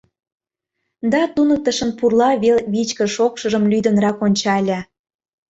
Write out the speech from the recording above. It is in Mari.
— да туныктышын пурла вел вичкыж шокшыжым лӱдынрак ончале.